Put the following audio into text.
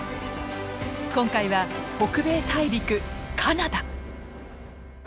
今回は北米大陸カナダ！